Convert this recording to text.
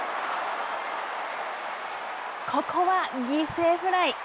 ここは犠牲フライ。